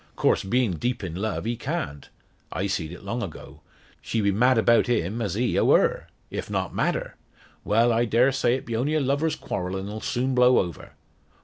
Course, bein' deep in love, he can't. I seed it long ago. She be mad about him as he o' her if not madder. Well; I daresay it be only a lovers' quarrel an'll soon blow over.